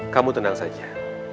kamu tenang saja